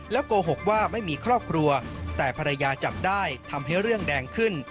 โกหกว่าไม่มีครอบครัวแต่ภรรยาจับได้ทำให้เรื่องแดงขึ้น